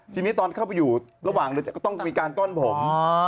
ทีนี้ตอนเข้าไปอยู่ระหว่างเรือก็ต้องมีการก้อนผม